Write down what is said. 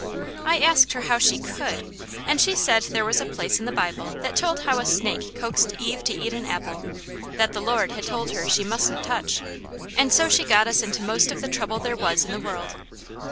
I asked her how she COULD, and she said there was a place in the Bible that told how a snake coaxed Eve to eat an apple, that the Lord had told her she mustn't touch; and so she got us into most of the trouble there was in the world.